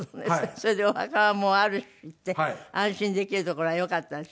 それでお墓はもうあるしって安心できるところがよかったんでしょうね。